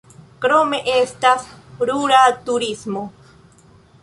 Krome estas rura turismo.